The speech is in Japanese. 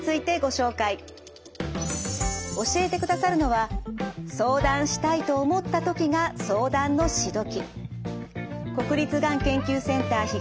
教えてくださるのは相談したいと思った時が相談のし時。